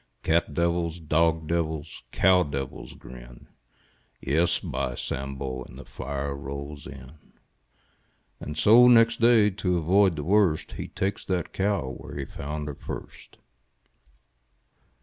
Cat devils, dog devils, cow devils grin — Yes, by Sambo, And the fire rolls in. 870911 100 VACHEL LINDSAY And so, next day, to avoid the worst — He ta'kes that cow Where he found her first.